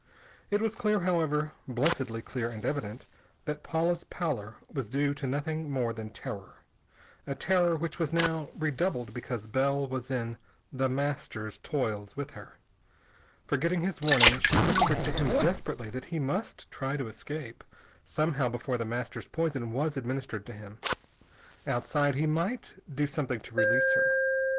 It was clear, however, blessedly clear and evident, that Paula's pallor was due to nothing more than terror a terror which was now redoubled because Bell was in The Master's toils with her. Forgetting his warning, she whispered to him desperately that he must try to escape, somehow, before The Master's poison was administered to him. Outside, he might do something to release her.